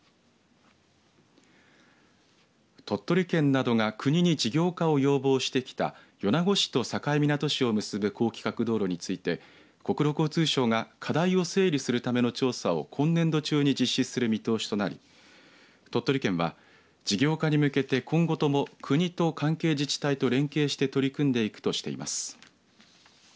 鳥取県などが国に事業化を要望してきた米子市と境港市を結ぶ高規格道路について国土交通省が課題を整理するための調査を今年度中に実施する見通しとなり鳥取県は事業化へ向けて今後とも国と関係自治体と連携して取り組んでいくとしています。